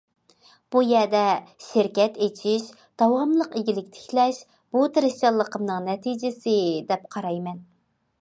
بۇ يەردە شىركەت ئېچىش، داۋاملىق ئىگىلىك تىكلەش بۇ تىرىشچانلىقىمنىڭ نەتىجىسى، دەپ قارايمەن.